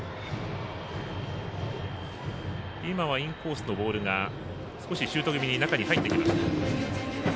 今はインコースのボールが少しシュート気味に中に入っていきました。